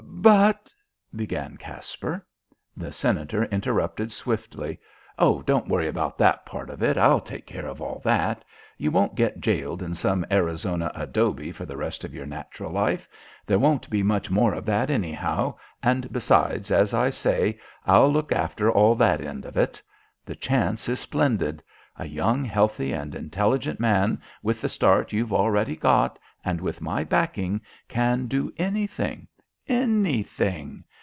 "But " began Caspar. The Senator interrupted swiftly. "Oh, don't worry about that part of it. I'll take care of all that. You won't get jailed in some Arizona adobe for the rest of your natural life. There won't be much more of that, anyhow; and besides, as I say, I'll look after all that end of it. The chance is splendid. A young, healthy and intelligent man, with the start you've already got, and with my backing, can do anything anything!